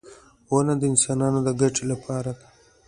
• ونه د انسانانو د ګټې لپاره ده.